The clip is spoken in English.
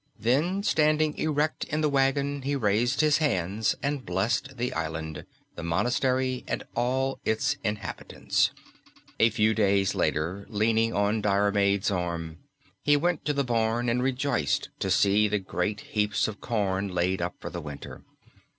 Then standing erect in the waggon he raised his hands and blessed the island, the monastery and all its inhabitants. A few days later, leaning on Diarmaid's arm, he went to the barn and rejoiced to see the great heaps of corn laid up for the winter.